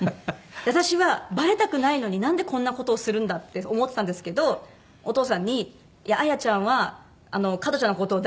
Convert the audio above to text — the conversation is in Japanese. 私はバレたくないのになんでこんな事をするんだって思ってたんですけどお父さんに「綾ちゃんは加トちゃんの事をダメにしてる」って。